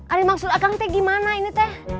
ada maksud akan teh gimana ini teh